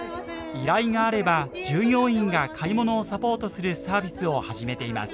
依頼があれば従業員が買い物をサポートするサービスを始めています。